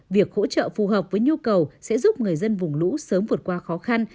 việc hỗ trợ phù hợp với nhu cầu sẽ giúp người dân vùng lũ sớm vượt qua khó khăn